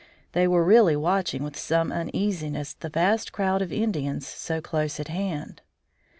They were really watching with some uneasiness the vast crowd of Indians so close at hand.